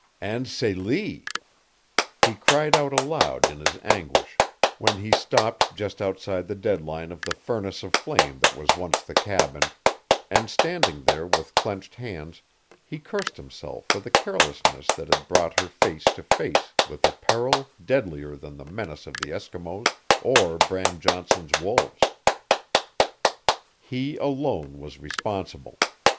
And Celie! He cried out aloud in his anguish when he stopped just outside the deadline of the furnace of flame that was once the cabin, and standing there with clenched hands he cursed himself for the carelessness that had brought her face to face with a peril deadlier than the menace of the Eskimos or Bram Johnson's wolves. He alone was responsible.